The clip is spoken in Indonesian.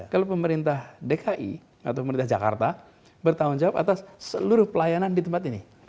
kalau pemerintah dki atau pemerintah jakarta bertanggung jawab atas seluruh pelayanan di tempat ini